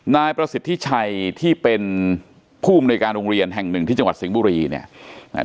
นายประสิทธิชัยที่เป็นผู้อำนวยการโรงเรียนแห่งหนึ่งที่จังหวัดสิงห์บุรีเนี่ย